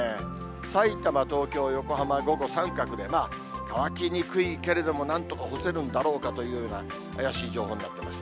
さいたま、東京、横浜、午後三角で、乾きにくいけれども、なんとか干せるんだろうかというような怪しい情報になってます。